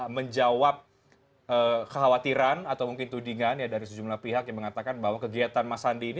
menjawab kekhawatiran atau mungkin tudingan ya dari sejumlah pihak yang mengatakan bahwa kegiatan mas andi ini